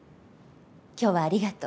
今日はありがとう。